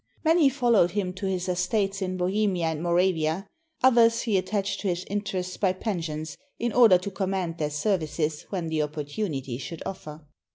Many followed him to his estates in Bohemia and Mora via; others he attached to his interests by pensions, in order to command their services when the opportunity should offer.